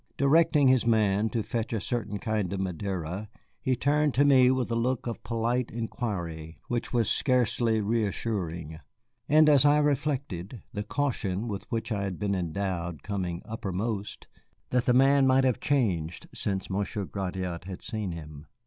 Directing his man to fetch a certain kind of Madeira, he turned to me with a look of polite inquiry which was scarcely reassuring. And I reflected, the caution with which I had been endowed coming uppermost, that the man might have changed since Monsieur Gratiot had seen him.